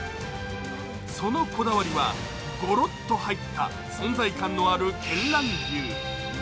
そのこだわりは、ゴロッと入った存在感のある見蘭牛。